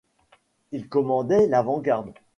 Il commandait l'avant-garde.